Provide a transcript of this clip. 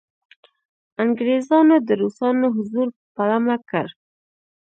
انګریزانو د روسانو حضور پلمه کړ.